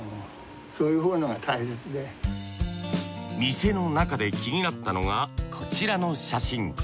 店の中で気になったのがこちらの写真。